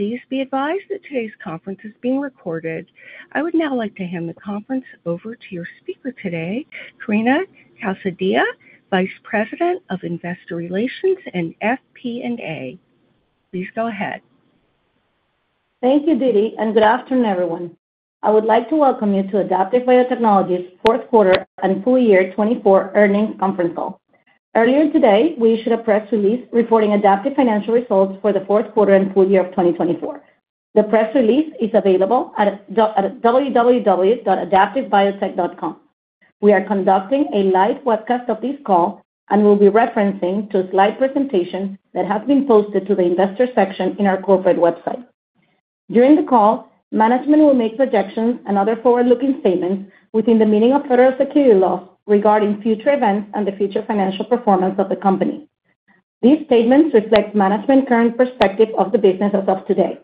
Please be advised that today's conference is being recorded. I would now like to hand the conference over to your speaker today, Karina Calzadilla, Vice President of Investor Relations and FP&A. Please go ahead. Thank you, Didi, and good afternoon, everyone. I would like to welcome you to Adaptive Biotechnologies' fourth quarter and full year 2024 earnings conference call. Earlier today, we issued a press release reporting Adaptive Biotechnologies' financial results for the fourth quarter and full year of 2024. The press release is available at www.adaptivebiotech.com. We are conducting a live webcast of this call and will be referring to a slide presentation that has been posted to the investor section of our corporate website. During the call, management will make projections and other forward-looking statements within the meaning of federal securities laws regarding future events and the future financial performance of the company. These statements reflect management's current perspective of the business as of today.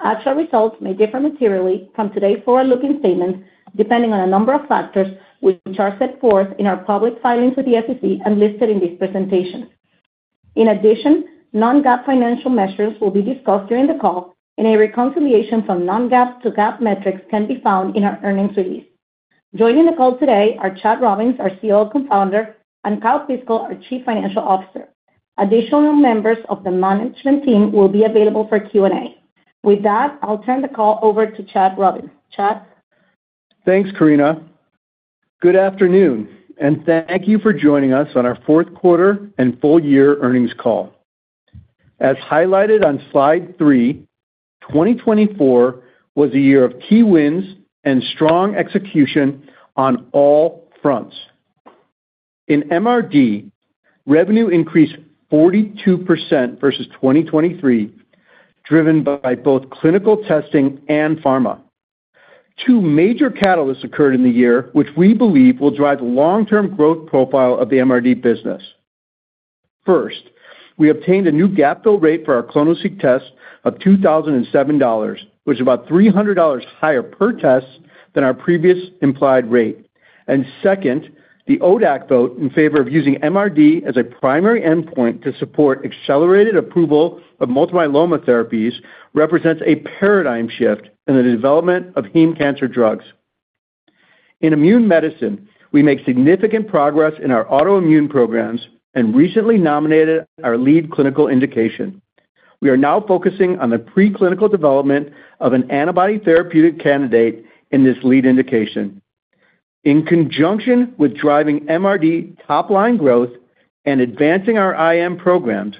Actual results may differ materially from today's forward-looking statements depending on a number of factors, which are set forth in our public filings with the SEC and listed in this presentation. In addition, Non-GAAP financial measures will be discussed during the call, and a reconciliation from Non-GAAP to GAAP metrics can be found in our earnings release. Joining the call today are Chad Robins, our CEO and founder, and Kyle Piskel, our Chief Financial Officer. Additional members of the management team will be available for Q&A. With that, I'll turn the call over to Chad Robins. Chad. Thanks, Karina. Good afternoon, and thank you for joining us on our fourth quarter and full year earnings call. As highlighted on slide three, 2024 was a year of key wins and strong execution on all fronts. In MRD, revenue increased 42% versus 2023, driven by both clinical testing and pharma. Two major catalysts occurred in the year, which we believe will drive the long-term growth profile of the MRD business. First, we obtained a new gap fill rate for our clonoSEQ tests of $2,007, which is about $300 higher per test than our previous implied rate. Second, the ODAC vote in favor of using MRD as a primary endpoint to support accelerated approval of multiple myeloma therapies represents a paradigm shift in the development of heme cancer drugs. In Immune Medicine, we make significant progress in our autoimmune programs and recently nominated our lead clinical indication. We are now focusing on the preclinical development of an antibody therapeutic candidate in this lead indication. In conjunction with driving MRD top-line growth and advancing our IM programs,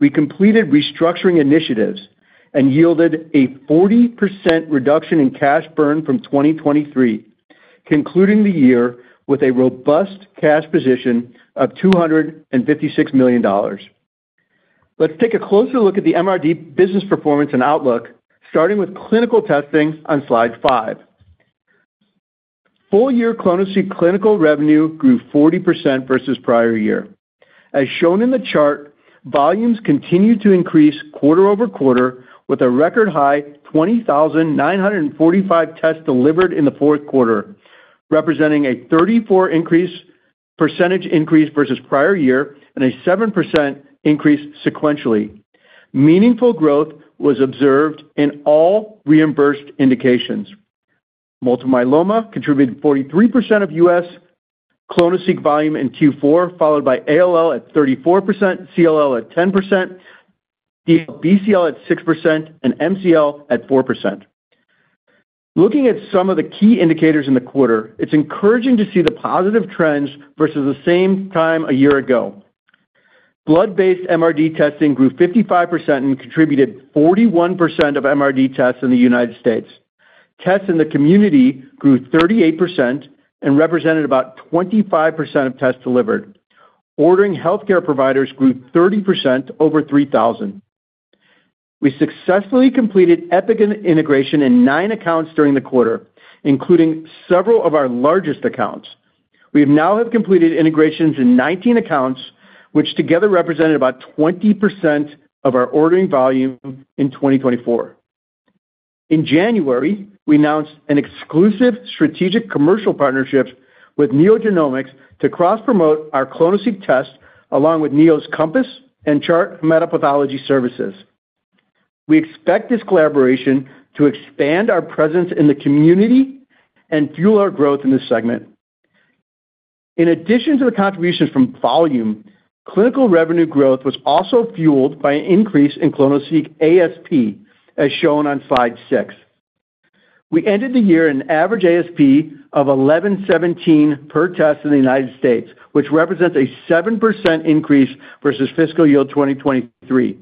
we completed restructuring initiatives and yielded a 40% reduction in cash burn from 2023, concluding the year with a robust cash position of $256 million. Let's take a closer look at the MRD business performance and outlook, starting with clinical testing on slide five. Full year clonoSEQ clinical revenue grew 40% versus prior year. As shown in the chart, volumes continue to increase quarter over quarter with a record high, 20,945 tests delivered in the fourth quarter, representing a 34% percentage increase versus prior year and a 7% increase sequentially. Meaningful growth was observed in all reimbursed indications. Multiple myeloma contributed 43% of U.S. clonoSEQ volume in Q4, followed by ALL at 34%, CLL at 10%, DLBCL at 6%, and MCL at 4%. Looking at some of the key indicators in the quarter, it's encouraging to see the positive trends versus the same time a year ago. Blood-based MRD testing grew 55% and contributed 41% of MRD tests in the United States. Tests in the community grew 38% and represented about 25% of tests delivered. Ordering healthcare providers grew 30% over 3,000. We successfully completed Epic integration in nine accounts during the quarter, including several of our largest accounts. We now have completed integrations in 19 accounts, which together represented about 20% of our ordering volume in 2024. In January, we announced an exclusive strategic commercial partnership with NeoGenomics' ' to cross-promote our clonoSEQ tests along with NeoGenomics' ' Compass and Chart Hematapathology Services. We expect this collaboration to expand our presence in the community and fuel our growth in this segment. In addition to the contributions from volume, clinical revenue growth was also fueled by an increase in clonoSEQ ASP, as shown on slide six. We ended the year at an average ASP of $1,117 per test in the United States, which represents a 7% increase versus fiscal year 2023.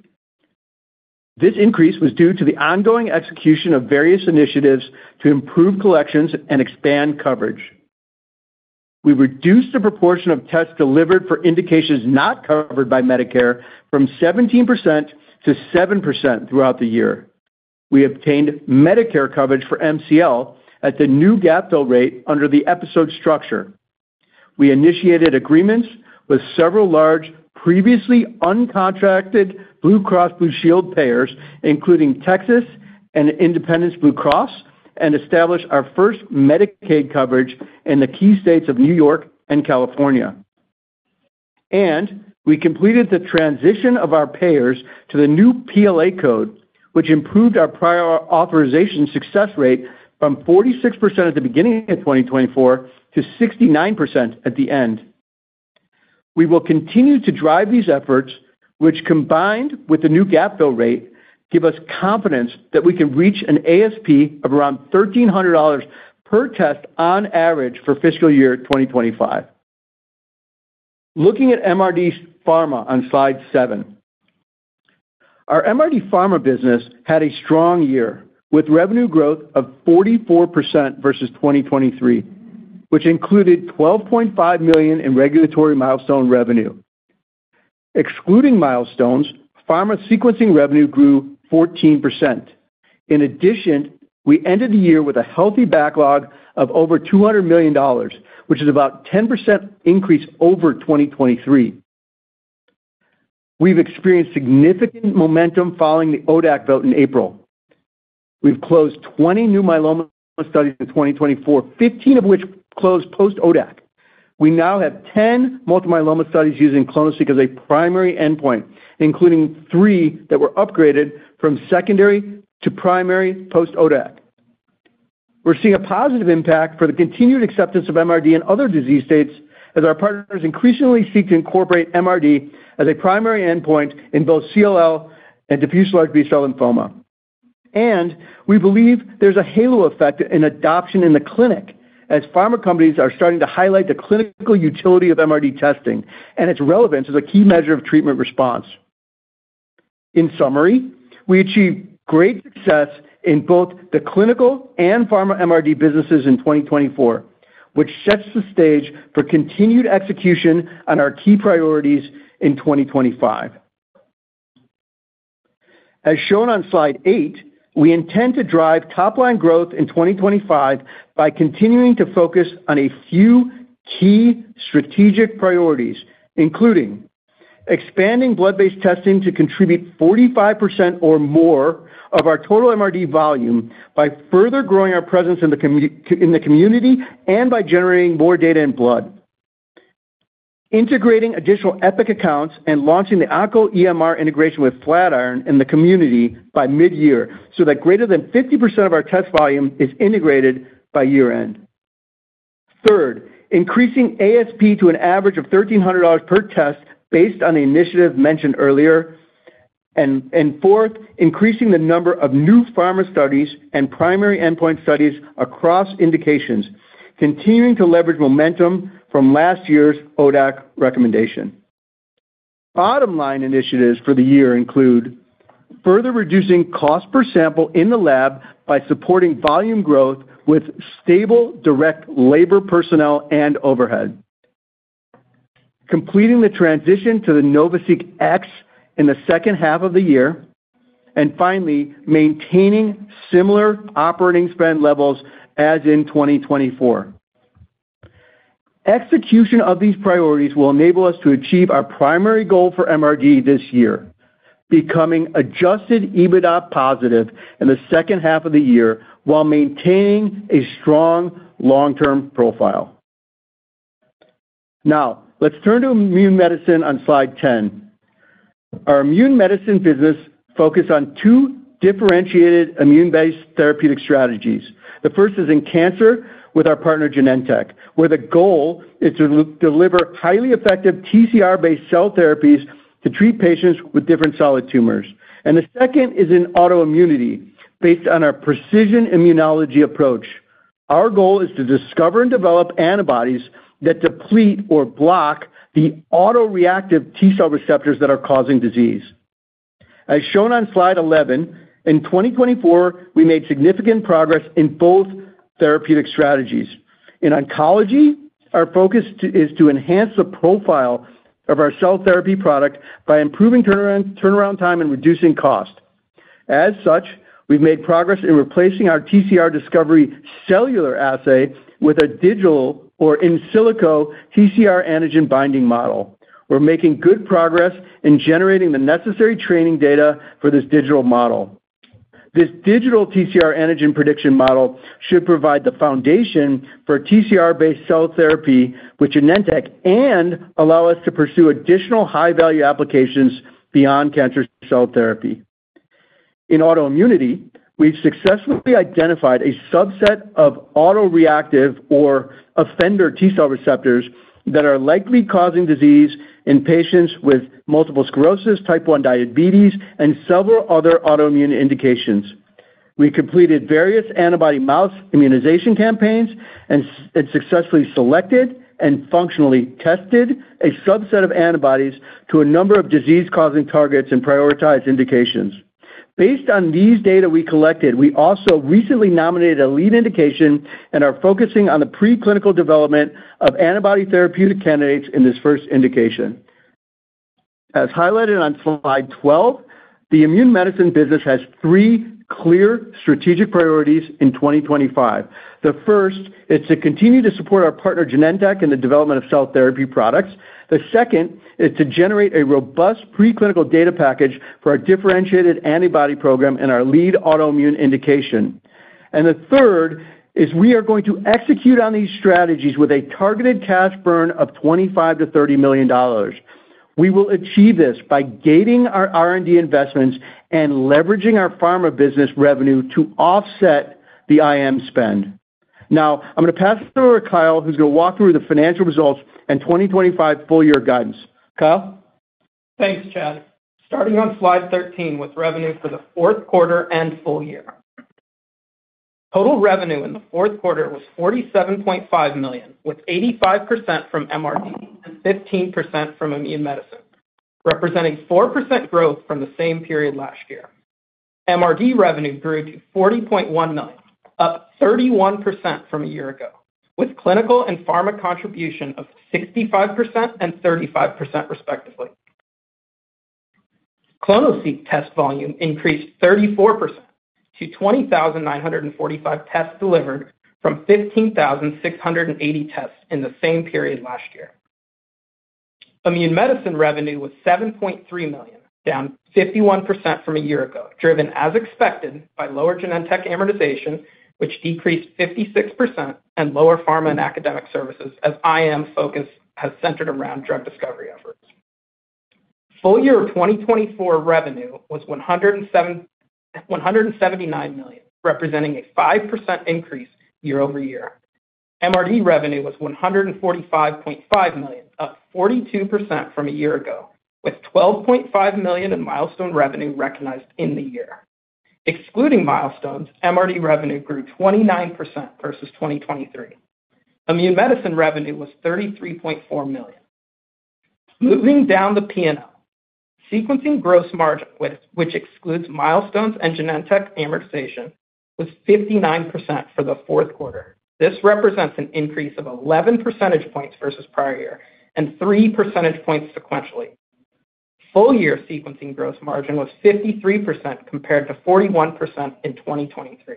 This increase was due to the ongoing execution of various initiatives to improve collections and expand coverage. We reduced the proportion of tests delivered for indications not covered by Medicare from 17% to 7% throughout the year. We obtained Medicare coverage for MCL at the new gap fill rate under the episode structure. We initiated agreements with several large previously uncontracted Blue Cross Blue Shield payers, including Texas and Independence Blue Cross, and established our first Medicaid coverage in the key states of New York and California, and we completed the transition of our payers to the new PLA code, which improved our prior authorization success rate from 46% at the beginning of 2024 to 69% at the end. We will continue to drive these efforts, which, combined with the new gap fill rate, give us confidence that we can reach an ASP of around $1,300 per test on average for fiscal year 2025. Looking at MRD pharma on slide seven, our MRD pharma business had a strong year with revenue growth of 44% versus 2023, which included $12.5 million in regulatory milestone revenue. Excluding milestones, pharma sequencing revenue grew 14%. In addition, we ended the year with a healthy backlog of over $200 million, which is about a 10% increase over 2023. We've experienced significant momentum following the ODAC vote in April. We've closed 20 new myeloma studies in 2024, 15 of which closed post-ODAC. We now have 10 multiple myeloma studies using clonoSEQ as a primary endpoint, including three that were upgraded from secondary to primary post-ODAC. We're seeing a positive impact for the continued acceptance of MRD in other disease states as our partners increasingly seek to incorporate MRD as a primary endpoint in both CLL and diffuse large B-cell lymphoma, and we believe there's a halo effect in adoption in the clinic as pharma companies are starting to highlight the clinical utility of MRD testing and its relevance as a key measure of treatment response. In summary, we achieved great success in both the clinical and pharma MRD businesses in 2024, which sets the stage for continued execution on our key priorities in 2025. As shown on slide eight, we intend to drive top-line growth in 2025 by continuing to focus on a few key strategic priorities, including expanding blood-based testing to contribute 45% or more of our total MRD volume by further growing our presence in the community and by generating more data in blood, integrating additional Epic accounts, and launching the OncoEMR EMR integration with Flatiron in the community by mid-year so that greater than 50% of our test volume is integrated by year-end. Third, increasing ASP to an average of $1,300 per test based on the initiative mentioned earlier. Fourth, increasing the number of new pharma studies and primary endpoint studies across indications, continuing to leverage momentum from last year's ODAC recommendation. Bottom-line initiatives for the year include further reducing cost per sample in the lab by supporting volume growth with stable direct labor personnel and overhead, completing the transition to the NovaSeq X in the second half of the year, and finally, maintaining similar operating spend levels as in 2024. Execution of these priorities will enable us to achieve our primary goal for MRD this year, becoming Adjusted EBITDA positive in the second half of the year while maintaining a strong long-term profile. Now, let's turn to Immune Medicine on slide 10. Our Immune Medicine business focuses on two differentiated immune-based therapeutic strategies. The first is in cancer with our partner, Genentech, where the goal is to deliver highly effective TCR-based cell therapies to treat patients with different solid tumors, and the second is in autoimmunity based on our precision immunology approach. Our goal is to discover and develop antibodies that deplete or block the autoreactive T-cell receptors that are causing disease. As shown on slide 11, in 2024, we made significant progress in both therapeutic strategies. In oncology, our focus is to enhance the profile of our cell therapy product by improving turnaround time and reducing cost. As such, we've made progress in replacing our TCR discovery cellular assay with a digital or in silico TCR antigen binding model. We're making good progress in generating the necessary training data for this digital model. This digital TCR antigen prediction model should provide the foundation for TCR-based cell therapy, which, with Genentech, will allow us to pursue additional high-value applications beyond cancer cell therapy. In autoimmunity, we've successfully identified a subset of autoreactive or offending T-cell receptors that are likely causing disease in patients with multiple sclerosis, type 1 diabetes, and several other autoimmune indications. We completed various antibody mouse immunization campaigns and successfully selected and functionally tested a subset of antibodies to a number of disease-causing targets and prioritized indications. Based on these data we collected, we also recently nominated a lead indication and are focusing on the preclinical development of antibody therapeutic candidates in this first indication. As highlighted on slide 12, the Immune Medicine business has three clear strategic priorities in 2025. The first is to continue to support our partner, Genentech, in the development of cell therapy products. The second is to generate a robust preclinical data package for our differentiated antibody program and our lead autoimmune indication. And the third is we are going to execute on these strategies with a targeted cash burn of $25-$30 million. We will achieve this by gating our R&D investments and leveraging our pharma business revenue to offset the IM spend. Now, I'm going to pass it over to Kyle, who's going to walk through the financial results and 2025 full year guidance. Kyle? Thanks, Chad. Starting on slide 13 with revenue for the fourth quarter and full year. Total revenue in the fourth quarter was $47.5 million, with 85% from MRD and 15% from Immune Medicine, representing 4% growth from the same period last year. MRD revenue grew to $40.1 million, up 31% from a year ago, with clinical and pharma contribution of 65% and 35%, respectively. clonoSEQ test volume increased 34% to 20,945 tests delivered from 15,680 tests in the same period last year. Immune medicine revenue was $7.3 million, down 51% from a year ago, driven as expected by lower Genentech amortization, which decreased 56%, and lower pharma and academic services as IM focus has centered around drug discovery efforts. Full year 2024 revenue was $179 million, representing a 5% increase year-over-year. MRD revenue was $145.5 million, up 42% from a year ago, with $12.5 million in milestone revenue recognized in the year. Excluding milestones, MRD revenue grew 29% versus 2023. Immune medicine revenue was $33.4 million. Moving down the immunoSEQ sequencing gross margin, which excludes milestones and Genentech amortization, was 59% for the fourth quarter. This represents an increase of 11 percentage points versus prior year and 3 percentage points sequentially. Full year sequencing gross margin was 53% compared to 41% in 2023.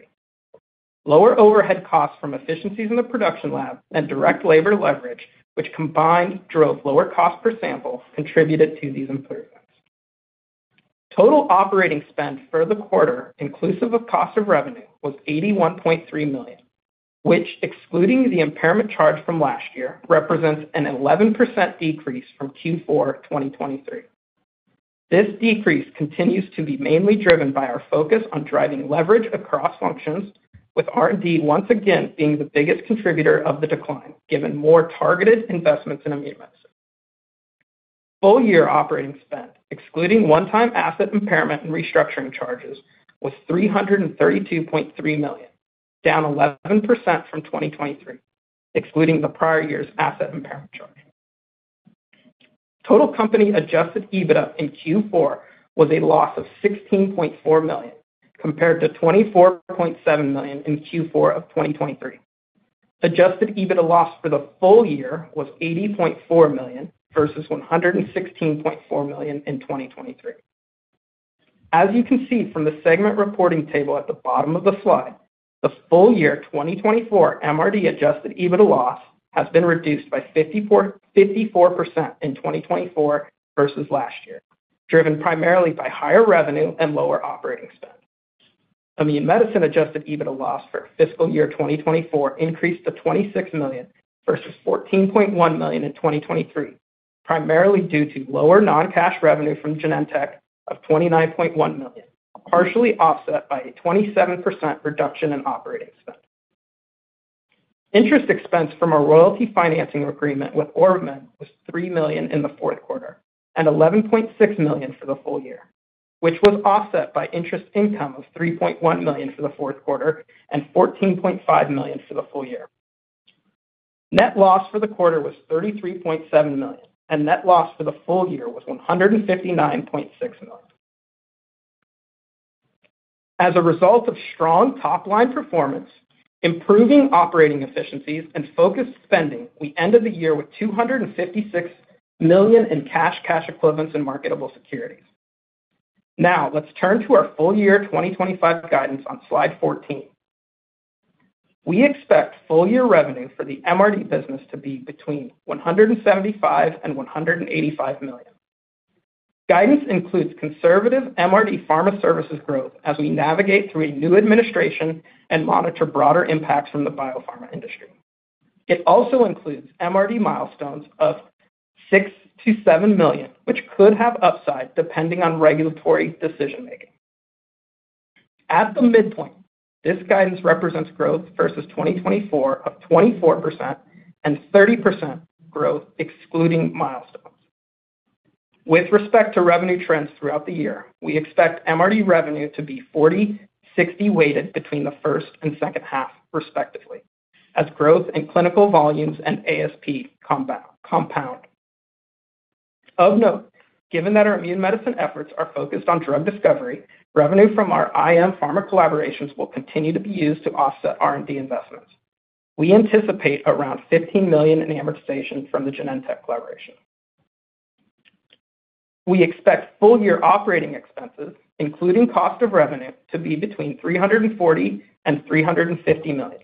Lower overhead costs from efficiencies in the production lab and direct labor leverage, which combined drove lower cost per sample, contributed to these improvements. Total operating spend for the quarter, inclusive of cost of revenue, was $81.3 million, which, excluding the impairment charge from last year, represents an 11% decrease from Q4 2023. This decrease continues to be mainly driven by our focus on driving leverage across functions, with R&D once again being the biggest contributor of the decline, given more targeted investments in Immune Medicine. Full year operating spend, excluding one-time asset impairment and restructuring charges, was $332.3 million, down 11% from 2023, excluding the prior year's asset impairment charge. Total company Adjusted EBITDA in Q4 was a loss of $16.4 million compared to $24.7 million in Q4 of 2023. Adjusted EBITDA loss for the full year was $80.4 million versus $116.4 million in 2023. As you can see from the segment reporting table at the bottom of the slide, the full year 2024 MRD Adjusted EBITDA loss has been reduced by 54% in 2024 versus last year, driven primarily by higher revenue and lower operating spend. Immune medicine Adjusted EBITDA loss for fiscal year 2024 increased to $26 million versus $14.1 million in 2023, primarily due to lower non-cash revenue from Genentech of $29.1 million, partially offset by a 27% reduction in operating spend. Interest expense from a royalty financing agreement with OrbiMed was $3 million in the fourth quarter and $11.6 million for the full year, which was offset by interest income of $3.1 million for the fourth quarter and $14.5 million for the full year. Net loss for the quarter was $33.7 million, and net loss for the full year was $159.6 million. As a result of strong top-line performance, improving operating efficiencies, and focused spending, we ended the year with $256 million in cash equivalents and marketable securities. Now, let's turn to our full year 2025 guidance on slide 14. We expect full year revenue for the MRD business to be between $175 million and $185 million. Guidance includes conservative MRD pharma services growth as we navigate through a new administration and monitor broader impacts from the biopharma industry. It also includes MRD milestones of $6 million to $7 million, which could have upside depending on regulatory decision-making. At the midpoint, this guidance represents growth versus 2024 of 24% and 30% growth, excluding milestones. With respect to revenue trends throughout the year, we expect MRD revenue to be 40/60 weighted between the first and second half, respectively, as growth and clinical volumes and ASP compound. Of note, given that our Immune Medicine efforts are focused on drug discovery, revenue from our IM pharma collaborations will continue to be used to offset R&D investments. We anticipate around $15 million in amortization from the Genentech collaboration. We expect full year operating expenses, including cost of revenue, to be between $340 million and $350 million.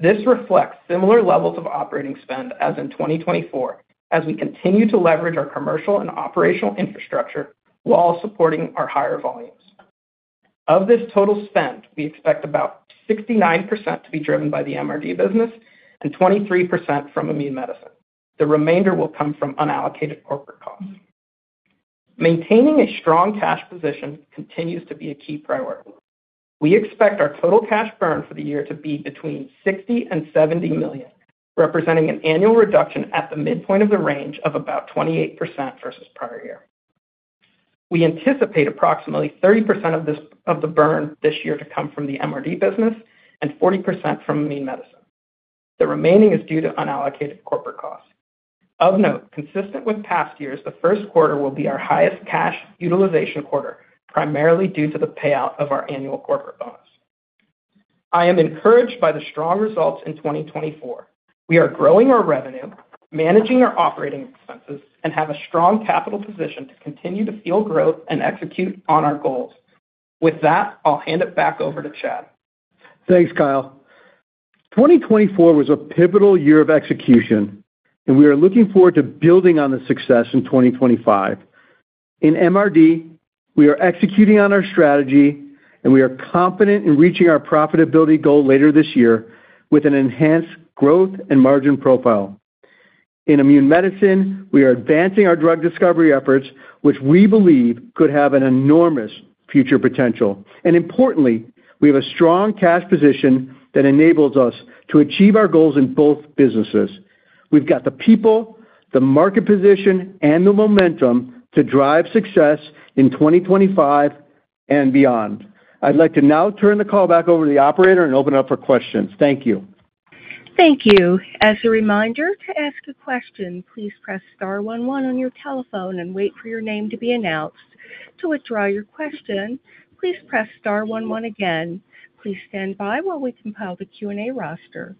This reflects similar levels of operating spend as in 2024 as we continue to leverage our commercial and operational infrastructure while supporting our higher volumes. Of this total spend, we expect about 69% to be driven by the MRD business and 23% from Immune Medicine. The remainder will come from unallocated corporate costs. Maintaining a strong cash position continues to be a key priority. We expect our total cash burn for the year to be between $60 million and $70 million, representing an annual reduction at the midpoint of the range of about 28% versus prior year. We anticipate approximately 30% of the burn this year to come from the MRD business and 40% from Immune Medicine. The remaining is due to unallocated corporate costs. Of note, consistent with past years, the first quarter will be our highest cash utilization quarter, primarily due to the payout of our annual corporate bonus. I am encouraged by the strong results in 2024. We are growing our revenue, managing our operating expenses, and have a strong capital position to continue to fuel growth and execute on our goals. With that, I'll hand it back over to Chad. Thanks, Kyle. 2024 was a pivotal year of execution, and we are looking forward to building on the success in 2025. In MRD, we are executing on our strategy, and we are confident in reaching our profitability goal later this year with an enhanced growth and margin profile. In Immune Medicine, we are advancing our drug discovery efforts, which we believe could have an enormous future potential. And importantly, we have a strong cash position that enables us to achieve our goals in both businesses. We've got the people, the market position, and the momentum to drive success in 2025 and beyond. I'd like to now turn the call back over to the operator and open it up for questions. Thank you. Thank you. As a reminder, to ask a question, please press star one one on your telephone and wait for your name to be announced. To withdraw your question, please press star one one again. Please stand by while we compile the Q&A roster.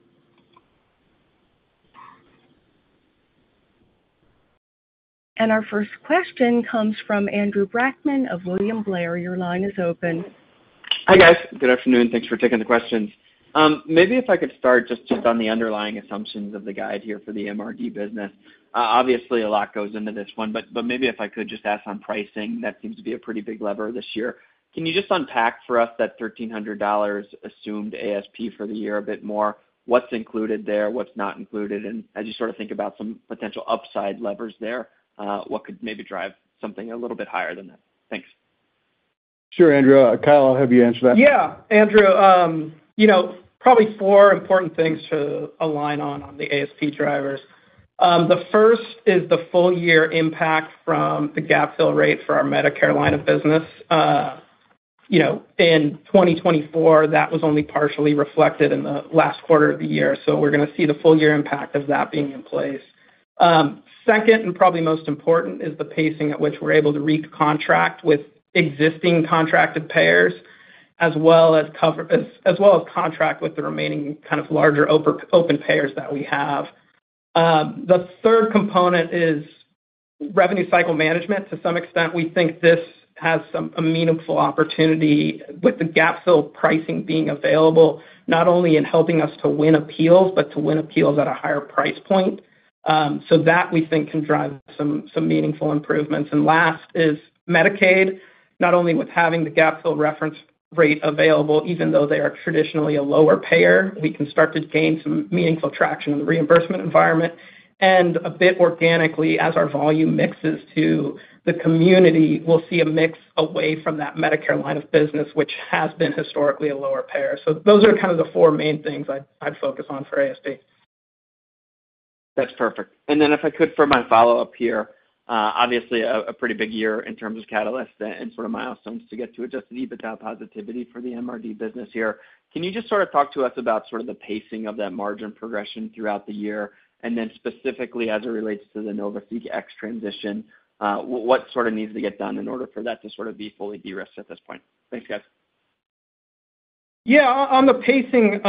And our first question comes from Andrew Brackman of William Blair. Your line is open. Hi, guys. Good afternoon. Thanks for taking the questions. Maybe if I could start just on the underlying assumptions of the guide here for the MRD business. Obviously, a lot goes into this one, but maybe if I could just ask on pricing, that seems to be a pretty big lever this year. Can you just unpack for us that $1,300 assumed ASP for the year a bit more? What's included there, what's not included, and as you sort of think about some potential upside levers there, what could maybe drive something a little bit higher than that? Thanks. Sure, Andrew. Kyle, I'll have you answer that. Yeah, Andrew. Probably four important things to align on the ASP drivers. The first is the full year impact from the gap fill rate for our Medicare line of business. In 2024, that was only partially reflected in the last quarter of the year, so we're going to see the full year impact of that being in place. Second, and probably most important, is the pacing at which we're able to recontact with existing contracted payers, as well as contract with the remaining kind of larger open payers that we have. The third component is revenue cycle management. To some extent, we think this has some meaningful opportunity with the gap fill pricing being available, not only in helping us to win appeals, but to win appeals at a higher price point. So that, we think, can drive some meaningful improvements. And last is Medicaid, not only with having the gap fill reference rate available, even though they are traditionally a lower payer. We can start to gain some meaningful traction in the reimbursement environment. And a bit organically, as our volume mixes to the community, we'll see a mix away from that Medicare line of business, which has been historically a lower payer. So those are kind of the four main things I'd focus on for ASP. That's perfect. And then if I could, for my follow-up here, obviously a pretty big year in terms of catalysts and sort of milestones to get to Adjusted EBITDA positivity for the MRD business here. Can you just sort of talk to us about sort of the pacing of that margin progression throughout the year, and then specifically as it relates to the NovaSeq X transition, what sort of needs to get done in order for that to sort of be fully de-risked at this point? Thanks, guys. Yeah, on the pacing,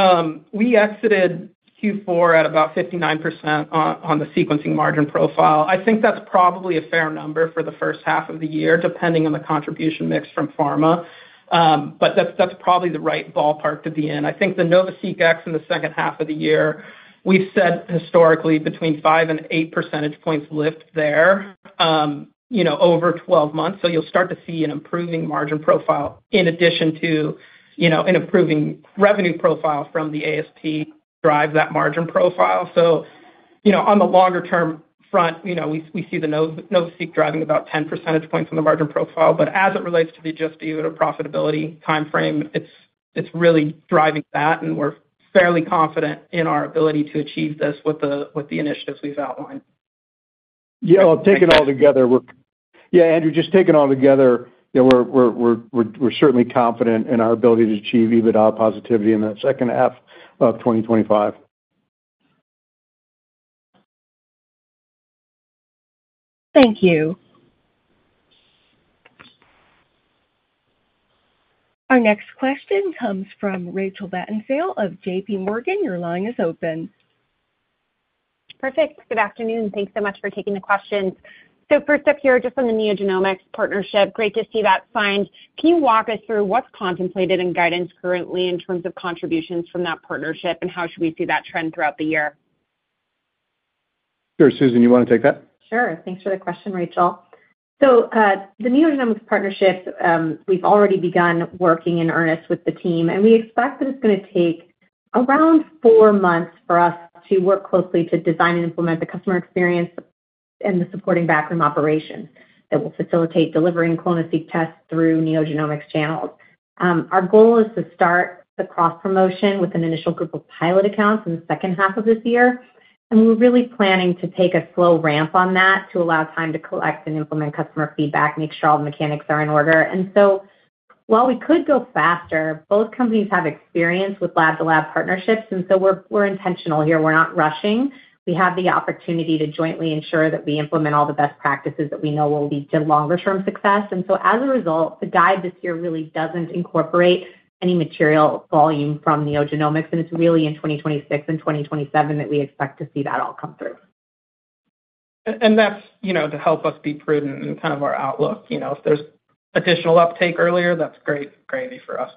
we exited Q4 at about 59% on the sequencing margin profile. I think that's probably a fair number for the first half of the year, depending on the contribution mix from pharma, but that's probably the right ballpark to be in. I think the NovaSeq X in the second half of the year, we've said historically between five and eight percentage points lift there over 12 months, so you'll start to see an improving margin profile in addition to an improving revenue profile from the ASP drive that margin profile. So on the longer-term front, we see the NovaSeq driving about 10 percentage points on the margin profile, but as it relates to the Adjusted EBITDA profitability timeframe, it's really driving that, and we're fairly confident in our ability to achieve this with the initiatives we've outlined. Yeah, well, taken all together, yeah, Andrew, just taken all together, we're certainly confident in our ability to achieve EBITDA positivity in that second half of 2025. Thank you. Our next question comes from Rachel Vatnsdal of JPMorgan. Your line is open. Perfect. Good afternoon. Thanks so much for taking the questions. So first up here, just on the NeoGenomics' partnership, great to see that signed. Can you walk us through what's contemplated in guidance currently in terms of contributions from that partnership, and how should we see that trend throughout the year? Sure. Susan, you want to take that? Sure. Thanks for the question, Rachel. So the NeoGenomics' partnership, we've already begun working in earnest with the team, and we expect that it's going to take around four months for us to work closely to design and implement the customer experience and the supporting backroom operations that will facilitate delivering clonoSEQ tests through NeoGenomics' channels. Our goal is to start the cross-promotion with an initial group of pilot accounts in the second half of this year, and we're really planning to take a slow ramp on that to allow time to collect and implement customer feedback, make sure all the mechanics are in order. And so while we could go faster, both companies have experience with lab-to-lab partnerships, and so we're intentional here. We're not rushing. We have the opportunity to jointly ensure that we implement all the best practices that we know will lead to longer-term success. And so as a result, the guide this year really doesn't incorporate any material volume from NeoGenomics', and it's really in 2026 and 2027 that we expect to see that all come through. And that's to help us be prudent in kind of our outlook. If there's additional uptake earlier, that's great gravy for us.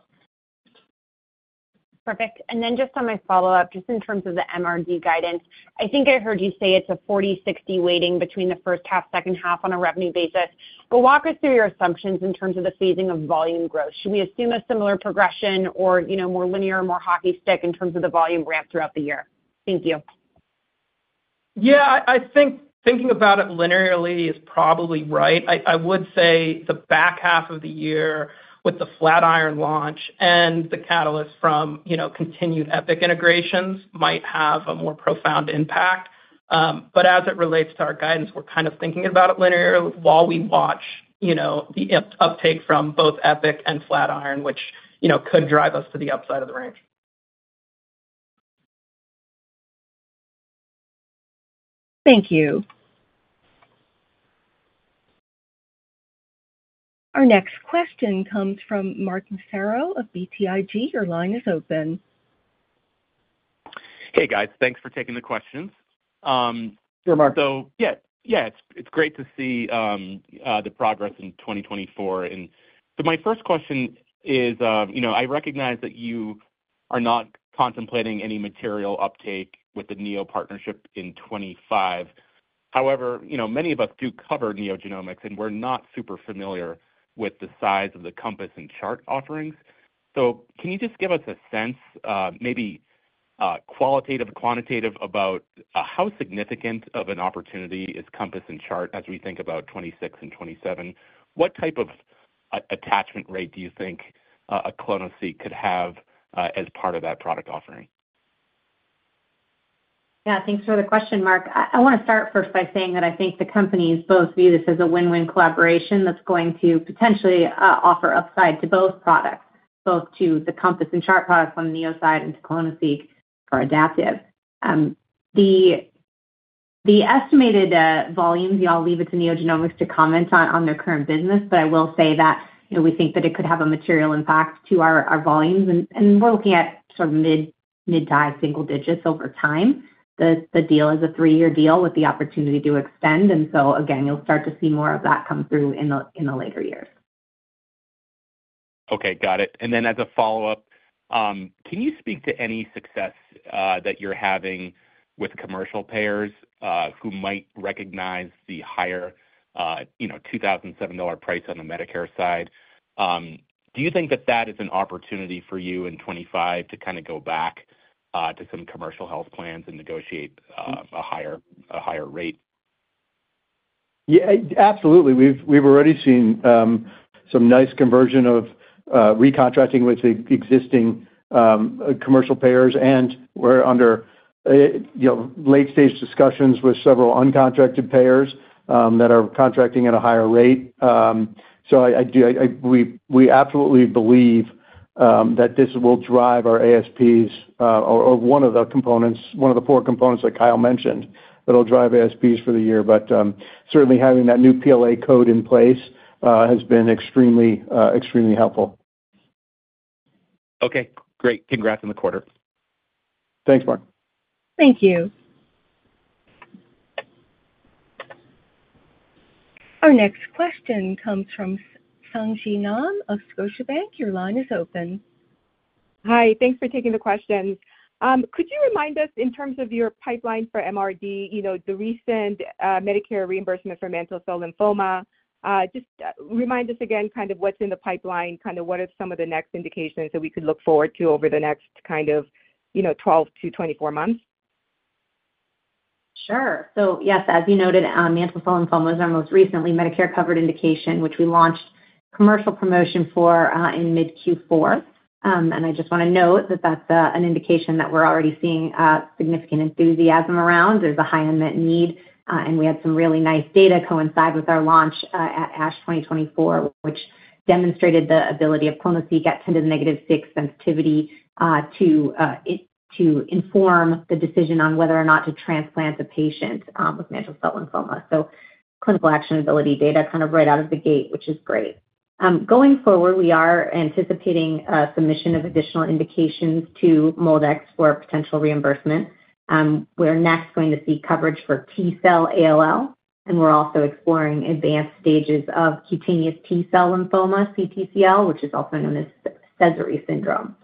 Perfect. And then just on my follow-up, just in terms of the MRD guidance, I think I heard you say it's a 40/60 weighting between the first half, second half on a revenue basis. But walk us through your assumptions in terms of the phasing of volume growth. Should we assume a similar progression or more linear, more hockey stick in terms of the volume ramp throughout the year? Thank you. Yeah, I think thinking about it linearly is probably right. I would say the back half of the year with the Flatiron launch and the catalyst from continued Epic integrations might have a more profound impact. But as it relates to our guidance, we're kind of thinking about it linear while we watch the uptake from both Epic and Flatiron, which could drive us to the upside of the range. Thank you. Our next question comes from Mark Massaro of BTIG. Your line is open. Hey, guys. Thanks for taking the questions. Sure, Mark. So yeah, yeah, it's great to see the progress in 2024, and so my first question is, I recognize that you are not contemplating any material uptake with the Neo partnership in 2025. However, many of us do cover NeoGenomics', and we're not super familiar with the size of the Compass and Chart offerings. So can you just give us a sense, maybe qualitative or quantitative, about how significant of an opportunity is Compass and Chart as we think about 2026 and 2027? What type of attachment rate do you think a clonoSEQ could have as part of that product offering? Yeah, thanks for the question, Mark. I want to start first by saying that I think the companies both view this as a win-win collaboration that's going to potentially offer upside to both products, both to the Compass and Chart products on the Neo side and to clonoSEQ for Adaptive. The estimated volumes, y'all leave it to NeoGenomics' to comment on their current business, but I will say that we think that it could have a material impact to our volumes, and we're looking at sort of mid-to-high single-digits over time. The deal is a three-year deal with the opportunity to extend, and so again, you'll start to see more of that come through in the later years. Okay, got it. And then as a follow-up, can you speak to any success that you're having with commercial payers who might recognize the higher $2,007 price on the Medicare side? Do you think that that is an opportunity for you in 2025 to kind of go back to some commercial health plans and negotiate a higher rate? Yeah, absolutely. We've already seen some nice conversion of recontracting with the existing commercial payers, and we're under late-stage discussions with several uncontracted payers that are contracting at a higher rate. So we absolutely believe that this will drive our ASPs or one of the components, one of the four components that Kyle mentioned that will drive ASPs for the year. But certainly, having that new PLA code in place has been extremely helpful. Okay, great. Congrats on the quarter. Thanks, Mark. Thank you. Our next question comes from Sung Ji Nam of Scotiabank. Your line is open. Hi, thanks for taking the questions. Could you remind us in terms of your pipeline for MRD, the recent Medicare reimbursement for mantle cell lymphoma, just remind us again kind of what's in the pipeline, kind of what are some of the next indications that we could look forward to over the next kind of 12 to 24 months? Sure. So yes, as you noted, mantle cell lymphoma is our most recently Medicare-covered indication, which we launched commercial promotion for in mid-Q4. And I just want to note that that's an indication that we're already seeing significant enthusiasm around. There's a high unmet need, and we had some really nice data coincide with our launch at ASH 2024, which demonstrated the ability of clonoSEQ at 10 to the negative 6 sensitivity to inform the decision on whether or not to transplant a patient with Mantle Cell Lymphoma. So clinical actionability data kind of right out of the gate, which is great. Going forward, we are anticipating submission of additional indications to MolDX for potential reimbursement. We're next going to see coverage for T-Cell ALL, and we're also exploring advanced stages of cutaneous T-Cell lymphoma, CTCL, which is also known as Sézary syndrome.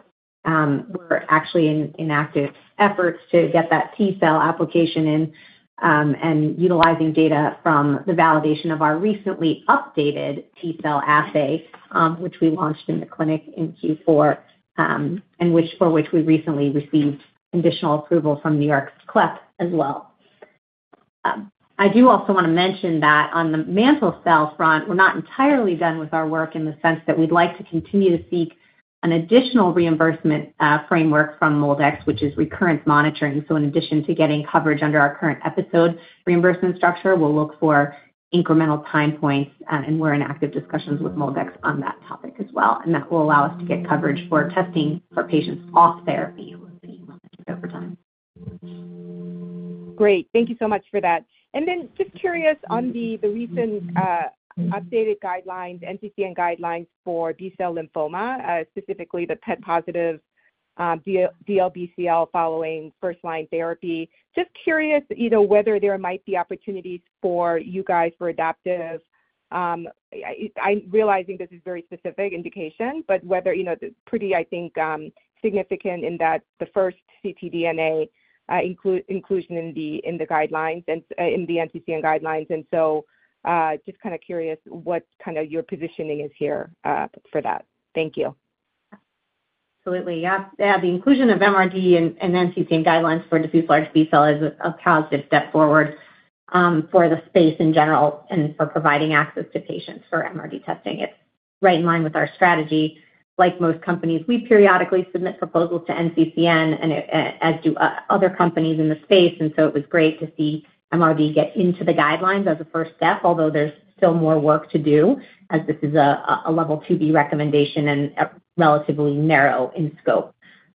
We're actually in active efforts to get that T cell application in and utilizing data from the validation of our recently updated T-cell assay, which we launched in the clinic in Q4, and for which we recently received additional approval from New York's CLEP as well. I do also want to mention that on the mantle cell front, we're not entirely done with our work in the sense that we'd like to continue to seek an additional reimbursement framework from MolDX, which is recurrent monitoring. So in addition to getting coverage under our current episode reimbursement structure, we'll look for incremental time points, and we're in active discussions with MolDX on that topic as well. And that will allow us to get coverage for testing for patients off therapy over time. Great. Thank you so much for that. And then just curious on the recent updated NCCN guidelines for B-Cell Lymphoma, specifically the PET-positive DLBCL following first-line therapy. Just curious whether there might be opportunities for you guys for Adaptive. I'm realizing this is very specific indication, but whether it's pretty, I think, significant in that the first ctDNA inclusion in the guidelines and in the NCCN guidelines. And so just kind of curious what kind of your positioning is here for that. Thank you. Absolutely. Yeah. Yeah, the inclusion of MRD in NCCN guidelines for diffuse large B cell is a positive step forward for the space in general and for providing access to patients for MRD testing. It's right in line with our strategy. Like most companies, we periodically submit proposals to NCCN, as do other companies in the space, and so it was great to see MRD get into the guidelines as a first step, although there's still more work to do as this is a level 2B recommendation and relatively narrow in scope.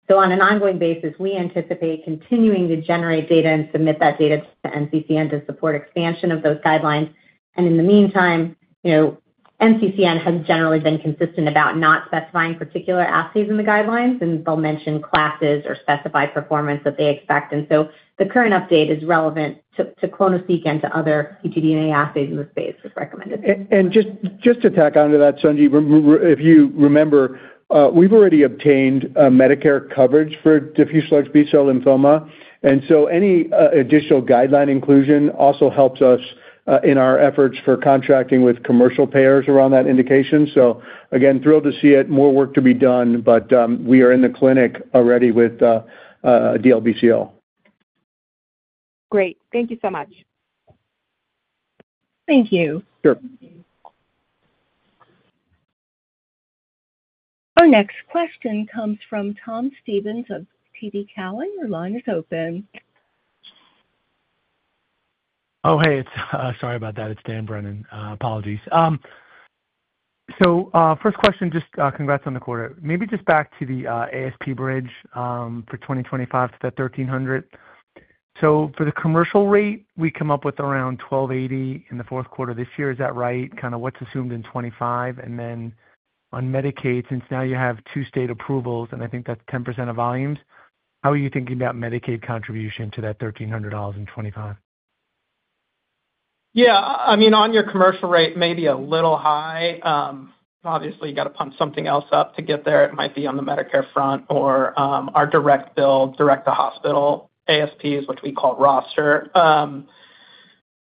So on an ongoing basis, we anticipate continuing to generate data and submit that data to NCCN to support expansion of those guidelines. And in the meantime, NCCN has generally been consistent about not specifying particular assays in the guidelines, and they'll mention classes or specify performance that they expect. And so the current update is relevant to clonoSEQ and to other ctDNA assays in the space as recommended. Just to tack on to that, Sung Ji, if you remember, we've already obtained Medicare coverage for diffuse large B-cell lymphoma, and so any additional guideline inclusion also helps us in our efforts for contracting with commercial payers around that indication. So again, thrilled to see it. More work to be done, but we are in the clinic already with DLBCL. Great. Thank you so much. Thank you. Sure. Our next question comes from Tom Stevens of TD Cowen. Your line is open. Oh, hey. Sorry about that. It's Dan Brennan. Apologies. So first question, just congrats on the quarter. Maybe just back to the ASP bridge for 2025 to that $1,300. So for the commercial rate, we come up with around $1,280 in the fourth quarter this year. Is that right? Kind of what's assumed in 2025? And then on Medicaid, since now you have two-state approvals, and I think that's 10% of volumes, how are you thinking about Medicaid contribution to that $1,300 in 2025? Yeah. I mean, on your commercial rate, maybe a little high. Obviously, you got to pump something else up to get there. It might be on the Medicare front or our direct bill, direct to hospital ASPs, which we call roster.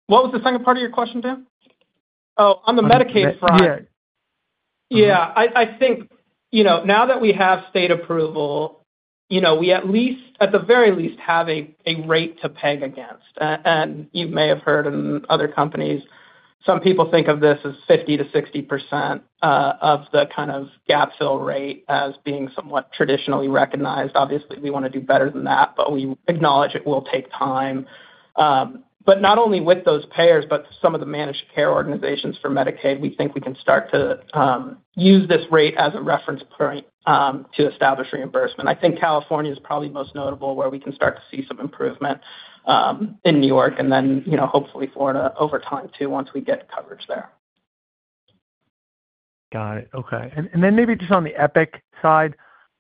What was the second part of your question, Dan? Oh, on the Medicaid front. Yeah. I think now that we have state approval, we at least, at the very least, have a rate to peg against. And you may have heard in other companies, some people think of this as 50%-60% of the kind of gap fill rate as being somewhat traditionally recognized. Obviously, we want to do better than that, but we acknowledge it will take time. But not only with those payers, but some of the managed care organizations for Medicaid, we think we can start to use this rate as a reference point to establish reimbursement. I think California is probably most notable where we can start to see some improvement in New York and then hopefully Florida over time too once we get coverage there. Got it. Okay. And then maybe just on the Epic side,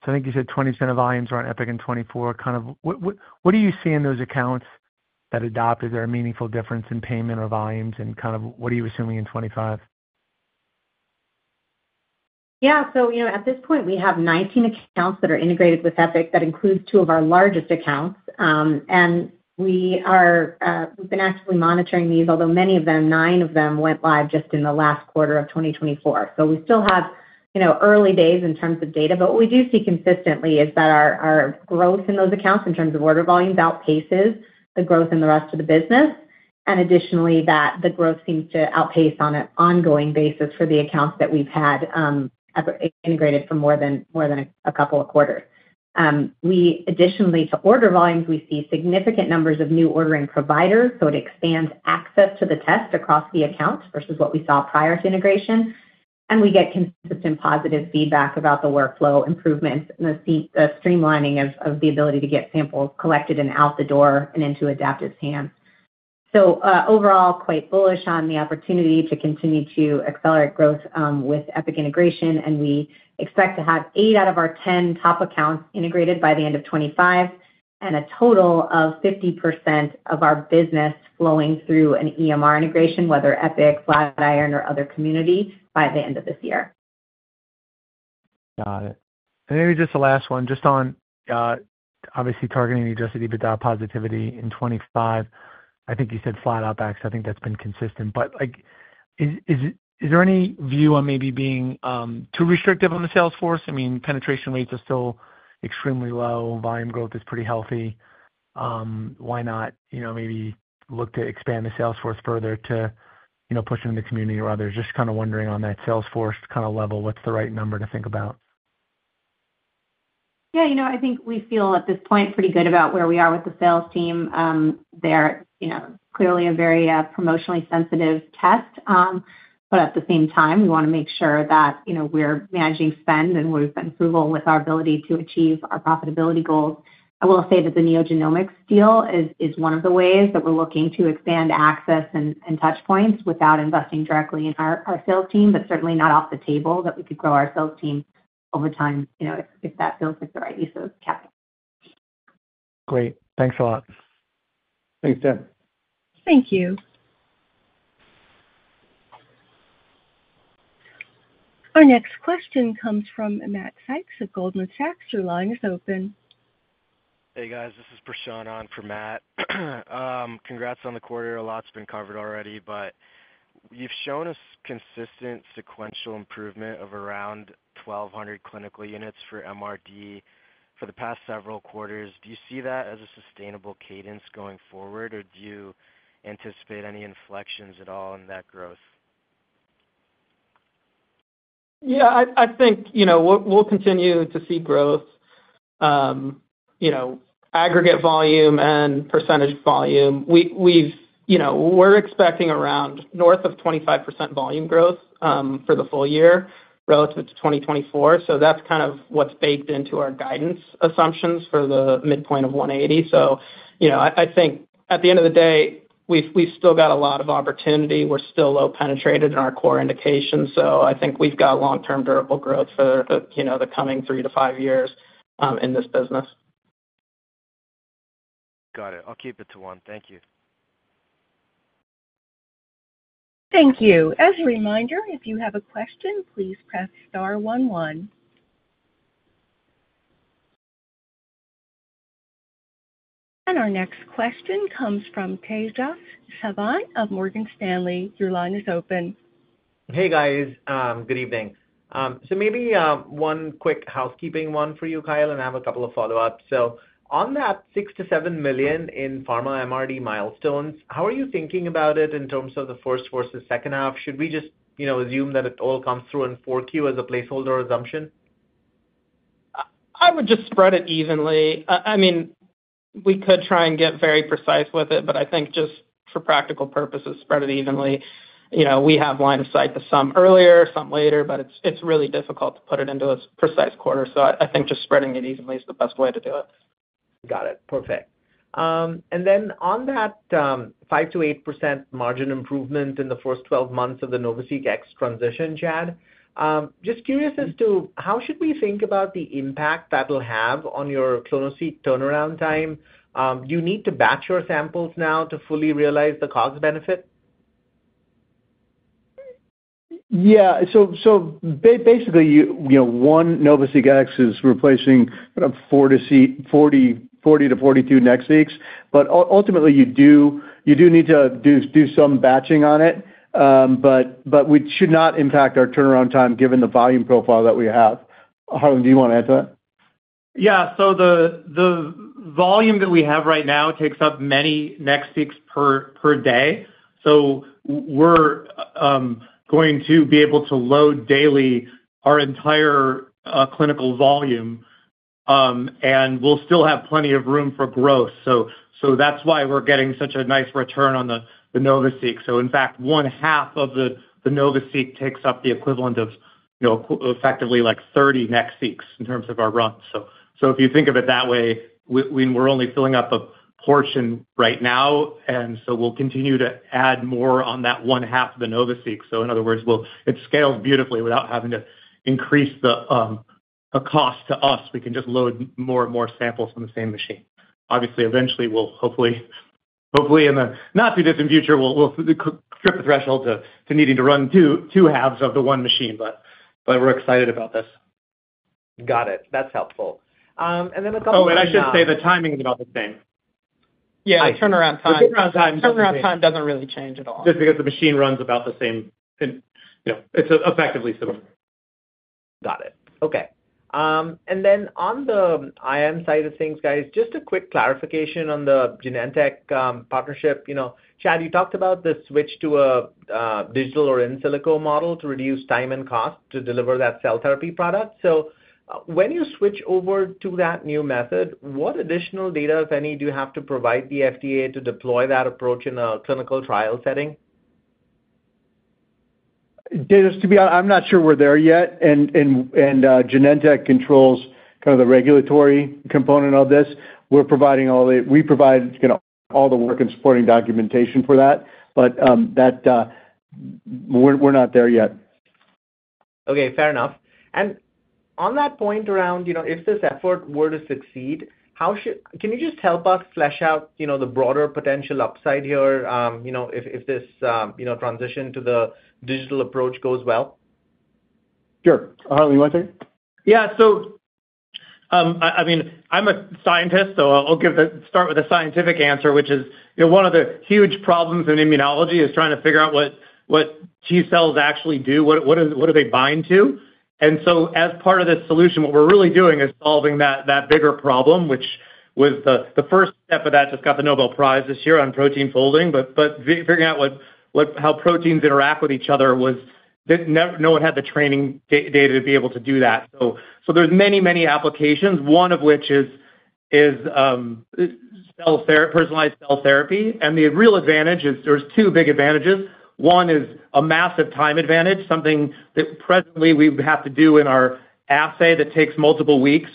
so I think you said 20% of volumes are on Epic in 2024. Kind of what do you see in those accounts that adopted that are meaningful difference in payment or volumes, and kind of what are you assuming in 2025? Yeah. So at this point, we have 19 accounts that are integrated with Epic that includes two of our largest accounts. And we've been actively monitoring these, although many of them, nine of them, went live just in the last quarter of 2024. So we still have early days in terms of data. But what we do see consistently is that our growth in those accounts in terms of order volumes outpaces the growth in the rest of the business. And additionally, that the growth seems to outpace on an ongoing basis for the accounts that we've had integrated for more than a couple of quarters. Additionally, to order volumes, we see significant numbers of new ordering providers, so it expands access to the test across the accounts versus what we saw prior to integration. And we get consistent positive feedback about the workflow improvements and the streamlining of the ability to get samples collected and out the door and into Adaptive hands. So overall, quite bullish on the opportunity to continue to accelerate growth with Epic integration. And we expect to have 8 out of our 10 top accounts integrated by the end of 2025 and a total of 50% of our business flowing through an EMR integration, whether Epic, Flatiron, or other community by the end of this year. Got it. And maybe just the last one, just on obviously targeting the Adjusted EBITDA positivity in 2025. I think you said flat or better. So I think that's been consistent. But is there any view on maybe being too restrictive on the sales force? I mean, penetration rates are still extremely low. Volume growth is pretty healthy. Why not maybe look to expand the sales force further to push it in the community or others? Just kind of wondering on that sales force kind of level, what's the right number to think about? Yeah. I think we feel at this point pretty good about where we are with the sales team. They're clearly a very promotionally sensitive test. But at the same time, we want to make sure that we're managing spend and we've got approval with our ability to achieve our profitability goals. I will say that the NeoGenomics' deal is one of the ways that we're looking to expand access and touch points without investing directly in our sales team, but certainly not off the table that we could grow our sales team over time if that feels like the right use of capital. Great. Thanks a lot. Thanks, Dan. Thank you. Our next question comes from Matt Sykes of Goldman Sachs. Your line is open. Hey, guys. This is Prashant on for Matt. Congrats on the quarter. A lot's been covered already, but you've shown us consistent sequential improvement of around 1,200 clinical units for MRD for the past several quarters. Do you see that as a sustainable cadence going forward, or do you anticipate any inflections at all in that growth? Yeah. I think we'll continue to see growth, aggregate volume, and percentage volume. We're expecting around north of 25% volume growth for the full year relative to 2024. So that's kind of what's baked into our guidance assumptions for the midpoint of 180. So I think at the end of the day, we've still got a lot of opportunity. We're still low penetrated in our core indication. So I think we've got long-term durable growth for the coming three to five years in this business. Got it. I'll keep it to one. Thank you. Thank you. As a reminder, if you have a question, please press star one one. Our next question comes from Tejas Savant of Morgan Stanley. Your line is open. Hey, guys. Good evening. So maybe one quick housekeeping one for you, Kyle, and I have a couple of follow-ups. So on that $6 million-$7 million in pharma MRD milestones, how are you thinking about it in terms of the first versus second half? Should we just assume that it all comes through in 4Q as a placeholder assumption? I would just spread it evenly. I mean, we could try and get very precise with it, but I think just for practical purposes, spread it evenly. We have line of sight to some earlier, some later, but it's really difficult to put it into a precise quarter. So I think just spreading it evenly is the best way to do it. Got it. Perfect. And then on that 5%-8% margin improvement in the first 12 months of the NovaSeq X transition, Chad, just curious as to how should we think about the impact that'll have on your clonoSEQ turnaround time? Do you need to batch your samples now to fully realize the cost-benefit? Yeah. So basically, one NovaSeq X is replacing kind of 40-42 NextSeqs. But ultimately, you do need to do some batching on it, but it should not impact our turnaround time given the volume profile that we have. Harlan, do you want to add to that? Yeah. So the volume that we have right now takes up many NextSeqs per day. So we're going to be able to load daily our entire clinical volume, and we'll still have plenty of room for growth. So that's why we're getting such a nice return on the NovaSeq. So in fact, one half of the NovaSeq takes up the equivalent of effectively like 30 NextSeqs in terms of our run. So if you think of it that way, we're only filling up a portion right now, and so we'll continue to add more on that one half of the NovaSeq. So in other words, it scales beautifully without having to increase the cost to us. We can just load more and more samples from the same machine. Obviously, eventually, hopefully in the not-too-distant future, we'll surpass the threshold to needing to run two halves of the one machine, but we're excited about this. Got it. That's helpful. And then a couple of questions. Oh, and I should say the timing is about the same. Yeah. Turnaround time. The turnaround time doesn't really change at all. Just because the machine runs about the same. It's effectively similar. Got it. Okay. And then on the IM side of things, guys, just a quick clarification on the Genentech partnership. Chad, you talked about the switch to a digital or in silico model to reduce time and cost to deliver that cell therapy product. So when you switch over to that new method, what additional data, if any, do you have to provide the FDA to deploy that approach in a clinical trial setting? To be honest, I'm not sure we're there yet. And Genentech controls kind of the regulatory component of this. We provide all the work and supporting documentation for that, but we're not there yet. Okay. Fair enough. On that point around if this effort were to succeed, can you just help us flesh out the broader potential upside here if this transition to the digital approach goes well? Sure. Harlan, you want to take it? Yeah. I mean, I'm a scientist, so I'll start with a scientific answer, which is one of the huge problems in immunology is trying to figure out what T cells actually do, what do they bind to. As part of this solution, what we're really doing is solving that bigger problem, which was the first step of that just got the Nobel Prize this year on protein folding, but figuring out how proteins interact with each other was no one had the training data to be able to do that. There's many, many applications, one of which is personalized cell therapy. The real advantage is there's two big advantages. One is a massive time advantage, something that presently we would have to do in our assay that takes multiple weeks.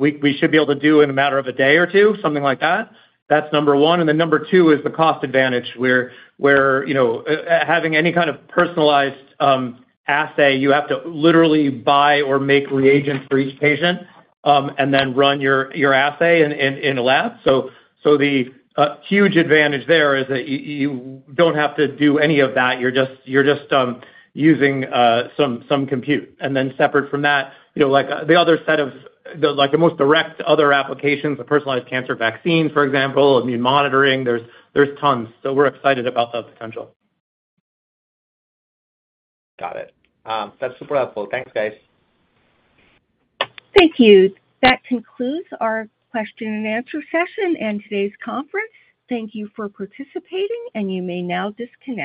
We should be able to do in a matter of a day or two, something like that. That's number one. Then number two is the cost advantage where having any kind of personalized assay, you have to literally buy or make reagents for each patient and then run your assay in a lab. So the huge advantage there is that you don't have to do any of that. You're just using some compute. Then separate from that, the other set of the most direct other applications, the personalized cancer vaccines, for example, immune monitoring, there's tons. So we're excited about the potential. Got it. That's super helpful. Thanks, guys. Thank you. That concludes our question and answer session and today's conference. Thank you for participating, and you may now disconnect.